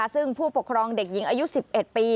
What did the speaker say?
ซึ่งผู้ปกครองเด็กหญิงอายุ๑๑ปี